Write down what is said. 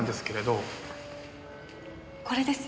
これです。